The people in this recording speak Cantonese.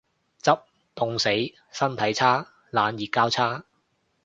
執，凍死。身體差。冷熱交叉